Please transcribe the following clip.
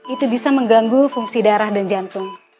itu bisa mengganggu fungsi darah dan jantung